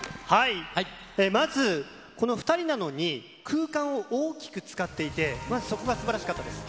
まず、この２人なのに、空間を大きく使っていて、まずそこがすばらしかったです。